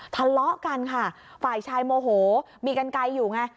ทะเลาะกันค่ะฝ่ายชายโมโหมีกันไกลอยู่ไง